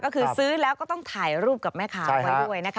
ก็คือซื้อแล้วก็ต้องถ่ายรูปกับแม่ค้าไว้ด้วยนะคะ